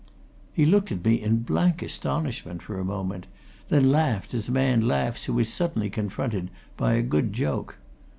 He looked at me in blank astonishment for a moment; then laughed as a man laughs who is suddenly confronted by a good joke.